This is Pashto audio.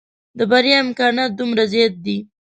د بريا امکانات دومره زيات دي.